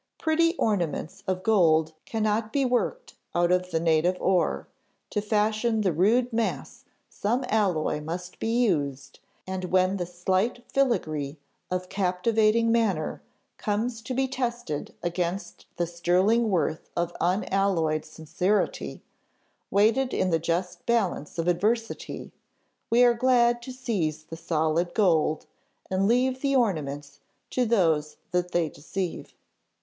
Pretty ornaments of gold cannot be worked out of the native ore; to fashion the rude mass some alloy must be used, and when the slight filigree of captivating manner comes to be tested against the sterling worth of unalloyed sincerity, weighed in the just balance of adversity, we are glad to seize the solid gold, and leave the ornaments to those that they deceive.